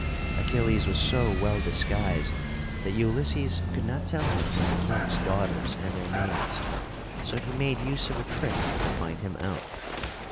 Achilles was so well disguised that Ulysses could not tell him from the king's daughters and their maids: so he made use of a trick to find him out.